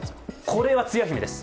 これは、つや姫です。